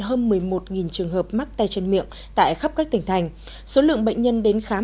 hơn một mươi một trường hợp mắc tay chân miệng tại khắp các tỉnh thành số lượng bệnh nhân đến khám